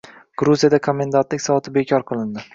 Gruziyada komendantlik soati bekor qilindi